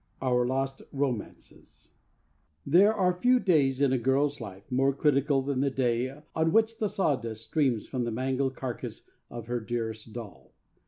III OUR LOST ROMANCES There are few days in a girl's life more critical than the day on which the sawdust streams from the mangled carcase of her dearest doll.